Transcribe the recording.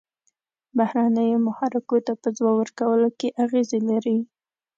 بهرنیو محرکو ته په ځواب ورکولو کې اغیزې لري.